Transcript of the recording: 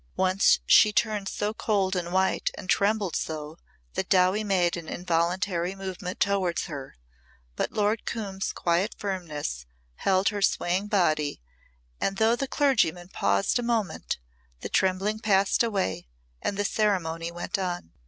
Once she turned so cold and white and trembled so that Dowie made an involuntary movement towards her, but Lord Coombe's quiet firmness held her swaying body and though the clergyman paused a moment the trembling passed away and the ceremony went on.